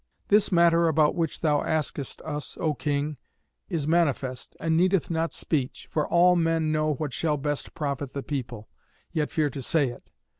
"This matter about which thou askest us, O King, is manifest, and needeth not speech; for all men know what shall best profit the people, yet fear to say it.